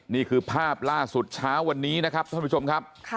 นี่คือภาพล่าสุดเช้าวันนี้นะครับท่านผู้ชมครับ